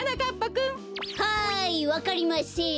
はいわかりません。